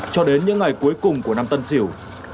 cho đến những ngày cuối cùng của năm tân diều